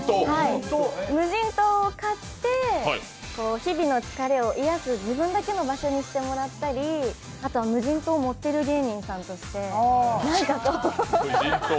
無人島を買って日々の疲れを癒やす自分だけの場所にしてもらったり、あと無人島を持ってる芸人さんとして。